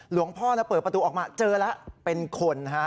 พ่อเปิดประตูออกมาเจอแล้วเป็นคนฮะ